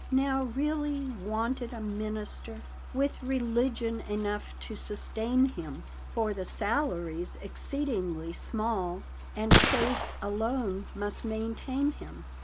Now really wanted a minister, With religion enough to sustain him, For the salary's exceedingly small, And faith alone must maintain him.